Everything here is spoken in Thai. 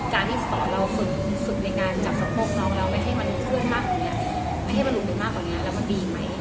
การที่สอนเราฝึกในการจับสะโพกน้องแล้วไม่ให้มันลุกได้มากกว่านี้แล้วมันดีไหม